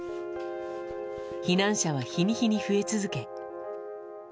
避難者は日に日に増え続け